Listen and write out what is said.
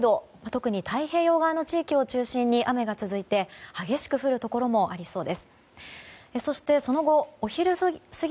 特に太平洋側の地域を中心に激しく降るところもありそうです。